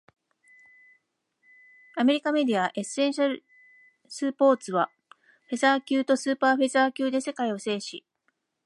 米メディア「エッセンシャリースポーツ」は、フェザー級とスーパーフェザー級で世界を制し、現在は階級をライト級に上げているスティーブンソンが井上との対戦を熱望している様子を伝えた。